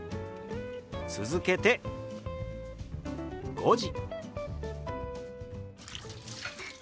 続けて「５時」。